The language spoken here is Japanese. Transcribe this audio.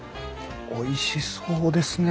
おいしそうですね。